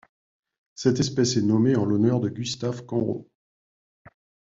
Cette espèce est nommée en l'honneur de Gustav Conrau.